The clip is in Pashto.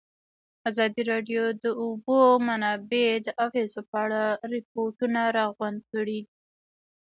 ازادي راډیو د د اوبو منابع د اغېزو په اړه ریپوټونه راغونډ کړي.